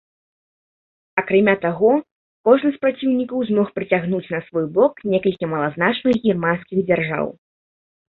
Акрамя таго, кожны з праціўнікаў змог прыцягнуць на свой бок некалькі малазначных германскіх дзяржаў.